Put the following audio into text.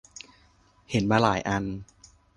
เห็นมาหลายอัน